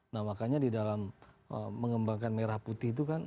nah makanya di dalam mengembangkan merah putih itu kan